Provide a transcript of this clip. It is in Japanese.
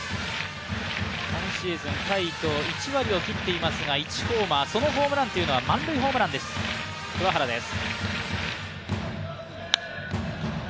今シーズン対伊藤１割を切っていますが、１ホーマー、そのホームランは満塁ホームランです。